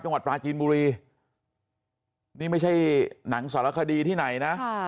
จังหวัดปลาจีนบุรีนี่ไม่ใช่หนังสารคดีที่ไหนนะ